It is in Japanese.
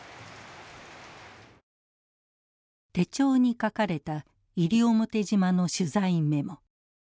手帳に書かれた西表島の取材メモ。